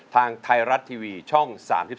ทางไทยรัฐทีวีช่อง๓๒